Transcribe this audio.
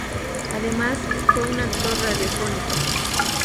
Además, fue actor radiofónico.